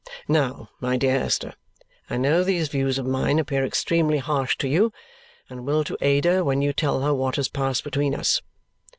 Now, my dear Esther, I know these views of mine appear extremely harsh to you, and will to Ada when you tell her what has passed between us.